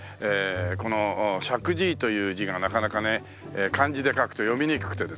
この「石神井」という字がなかなかね漢字で書くと読みにくくてですね